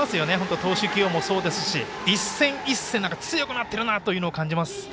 投手起用もそうですし一戦一戦強くなっているということを感じます。